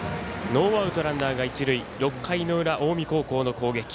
ノーアウト、ランナー、一塁６回の裏、近江高校の攻撃。